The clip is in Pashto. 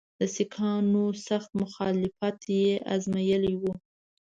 د سیکهانو سخت مخالفت یې آزمېیلی وو.